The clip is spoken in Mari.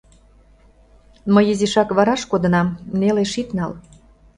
Мый изишак вараш кодынам, нелеш ит нал.